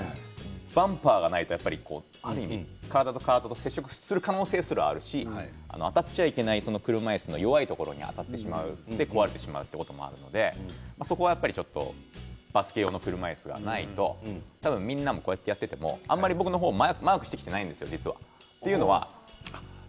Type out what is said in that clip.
バンパーがないと体と体が接触する可能性すらあるし当たっちゃいけない車いすの弱いところに当たってしまうので壊れてしまうこともあるのでそこはやっぱりバスケ用の車いすがないとみんなもこうやってやっていてもあんまり僕の方をマークしてきていないんですよ、実は。